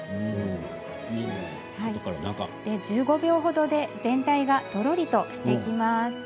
１５秒ほどで全体がトロリとしてきます。